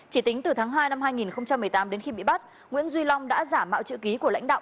chỉ tính từ tháng hai năm hai nghìn một mươi tám đến khi bị bắt nguyễn duy long đã giả mạo chữ ký của lãnh đạo